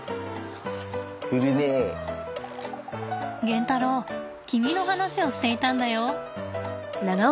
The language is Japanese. ゲンタロウ君の話をしていたんだよ。